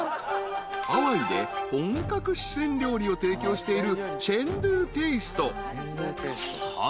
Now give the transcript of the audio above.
［ハワイで本格四川料理を提供している］